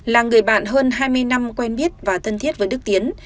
là người bạn hơn hai mươi năm quen biết và thân thiết với đức tiến